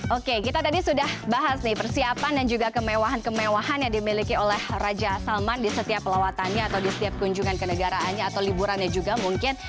oke kita tadi sudah bahas nih persiapan dan juga kemewahan kemewahan yang dimiliki oleh raja salman di setiap lawatannya atau di setiap kunjungan ke negaraannya atau liburannya juga mungkin